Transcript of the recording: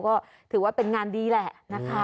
ก็ถือว่าเป็นงานดีแหละนะคะ